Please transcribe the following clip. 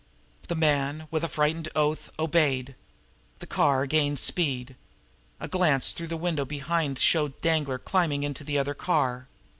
The man, with a frightened oath, obeyed. The car gained speed. A glance through the window behind showed Danglar climbing into the other car.